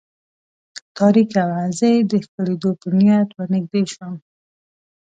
تاریکه وه، زه یې د ښکلېدو په نیت ور نږدې شوم.